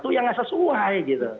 itu yang nggak sesuai gitu